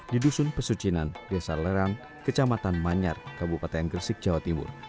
di dusun pesucinan desa lerang kecamatan manyar kabupaten gresik jawa timur